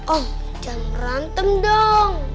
om jangan rantem dong